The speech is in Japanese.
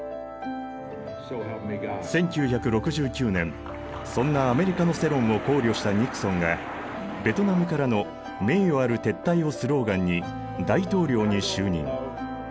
１９６９年そんなアメリカの世論を考慮したニクソンがベトナムからの名誉ある撤退をスローガンに大統領に就任。